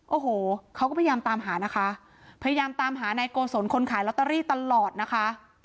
โอ้โหเขาก็พยายามตามหานะคะพยายามตามหานายโกศลคนขายลอตเตอรี่ตลอดนะคะ